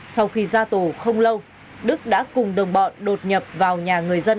sau khi ra tù không lâu đức đã cùng đồng bọn đột nhập vào nhà người dân